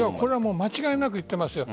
間違いなく行っています。